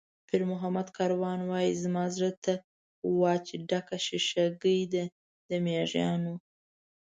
پیرمحمد کاروان وایي: "زما زړه ته وا چې ډکه شیشه ګۍ ده د مېږیانو".